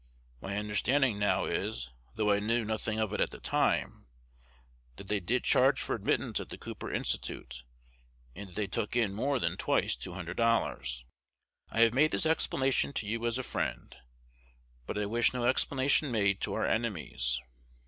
My understanding now is, though I knew nothing of it at the time, that they did charge for admittance at the Cooper Institute, and that they took in more than twice $200. I have made this explanation to you as a friend; but I wish no explanation made to our enemies.